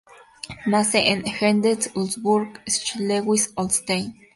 Nace en Henstedt-Ulzburg, Schleswig-Holstein.